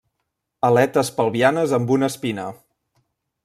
Aletes pelvianes amb una espina.